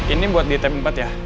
ini buat di tp empat ya